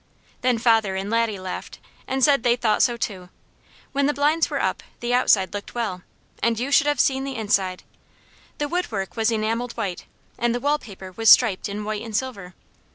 Then father and Laddie laughed, and said they thought so too. When the blinds were up, the outside looked well, and you should have seen the inside! The woodwork was enamelled white, and the wall paper was striped in white and silver.